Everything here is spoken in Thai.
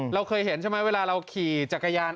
เราเคยเห็นใช่ไหมเวลาเราขี่จักรยาน